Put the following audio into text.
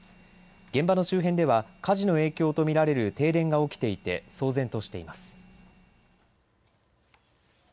現場の周辺では火事の影響と見られる停電が起きていて騒然としています。